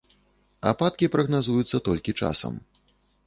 Ападкі прагназуюцца толькі часам.